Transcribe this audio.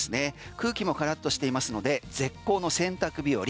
空気もからっとしていますので絶好の洗濯日和。